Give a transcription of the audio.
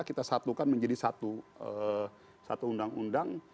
kita satukan menjadi satu undang undang